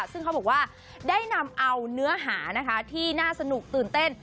ซึ่งเขาบอกว่าได้นำเอาเนื้อหานะคะที่น่าสนุกตื่นเต้น